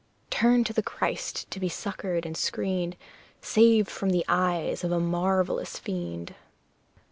Turn to the Christ to be succoured and screened, Saved from the eyes of a marvellous fiend!